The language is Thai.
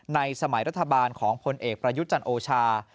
ในสมัยรัฐบาลของพลเอกประยุทธ์จันทร์โอชา